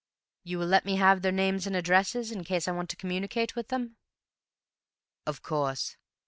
"You will let me have their names and addresses in case I want to communicate with them?" "Of course.